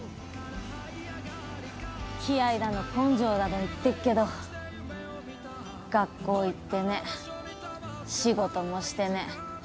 気合だの根性だの言ってっけど学校行ってねえ仕事もしてねえ